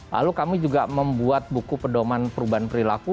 lalu kami juga membuat buku pedoman perubahan perilaku